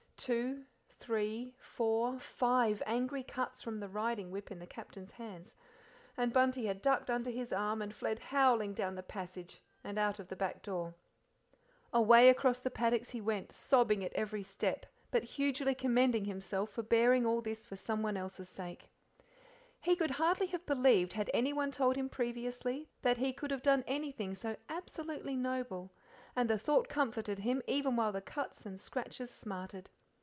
Two, three, four, five angry cuts from the riding whip in the Captain's hands, and Bunty had ducked under his arm and fled howling down the passage and out of the back door. Away across the paddocks he went, sobbing at every step, but hugely commending himself for bearing all this for someone else's sake. He could hardly have believed, had anyone told him previously, that he could have done anything so absolutely noble, and the thought comforted him even while the cuts and scratches smarted.